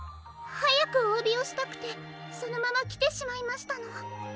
はやくおわびをしたくてそのままきてしまいましたの。